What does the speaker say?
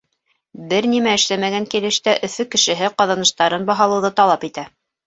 Бер нимә эшләмәгән килеш тә Өфө кешеһе ҡаҙаныштарын баһалауҙы талап итә.